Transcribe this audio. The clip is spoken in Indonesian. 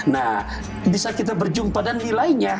nah bisa kita berjumpa dan nilainya